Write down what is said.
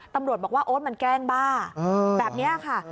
ตำรวจบอกว่าโอ๊ตมันแกล้งบ้าแบบนี้ค่ะ